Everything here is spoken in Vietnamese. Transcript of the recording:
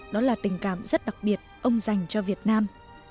đó là tình cảm rất đặc biệt ông dành cho việt nam